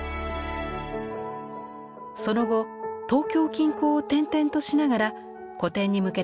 その後東京近郊を転々としながら個展に向けた制作を続けます。